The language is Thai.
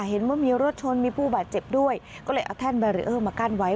เห็นว่ามีรถชนมีผู้บาดเจ็บด้วยก็เลยเอาแท่นแบรีเออร์มากั้นไว้